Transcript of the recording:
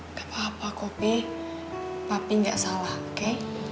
gak apa apa kopi papi gak salah oke